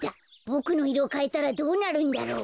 ボクのいろをかえたらどうなるんだろう。